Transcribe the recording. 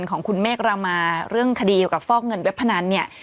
ของคุณเมฆรามาเรื่องคดีเกี่ยวกับฟอกเงินเว็บพนันเนี่ย